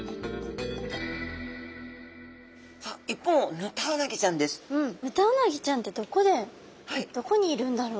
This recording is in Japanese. ヌタウナギちゃんってどこにいるんだろう？